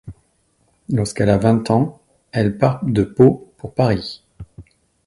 Lorsqu'elle a vingt ans elle part de Pau pour Paris.